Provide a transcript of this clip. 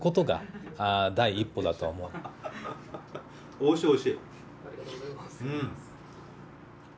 おいしい、おいしい。